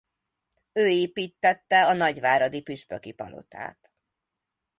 Ő építtette a nagyváradi püspöki palotát.